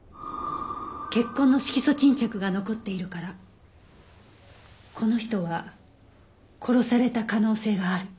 血痕の色素沈着が残っているからこの人は殺された可能性がある。